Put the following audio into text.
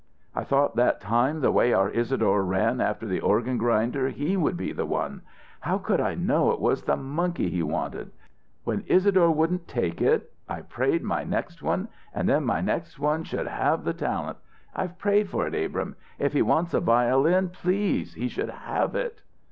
I thought that time the way our Isadore ran after the organ grinder he would be the one. How could I know it was the monkey he wanted? When Isadore wouldn't take it, I prayed my next one and then my next one should have the talent. I've prayed for it, Abrahm. If he wants a violin, please, he should have it."